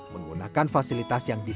menggunakan fasilitas yang disediakan